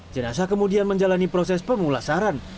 jenazah kemudian menjalani proses pemulasaran